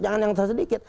jangan yang sedikit